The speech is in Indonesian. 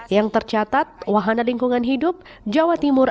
yang tercatat wahana lingkungan hidup jawa timur